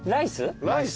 ライス？